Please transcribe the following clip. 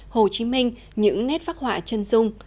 hồ chí minh những nét phác họa chân dung